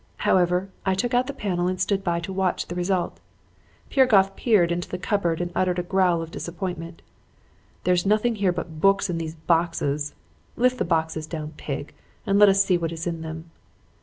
"However, I took out the panel and stood by to watch the result. Piragoff peered into the cupboard and uttered a growl of disappointment. "'There is nothing there but books and those boxes. Lift the boxes down, pig, and let us see what is in them.'